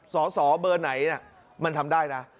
สอสอเบอร์ไหนมันทำได้นะ